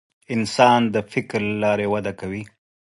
انسان د فکر له لارې وده کوي.